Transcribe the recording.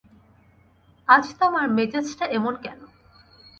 আজ তোমার মেজাজটা এমন কেন।